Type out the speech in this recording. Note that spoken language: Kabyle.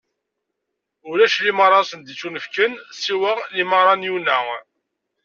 Ulac limaṛa ara s-d-ittunefken siwa limaṛa n Yuna.